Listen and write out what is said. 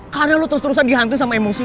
karena lo terus terusan dihantuin sama emosi lo